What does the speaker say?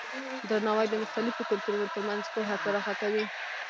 درناوی د مختلفو کلتورونو ترمنځ پوهه پراخه کوي.